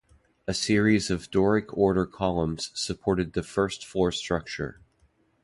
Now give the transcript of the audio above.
A series of Doric order columns supported the first floor structure.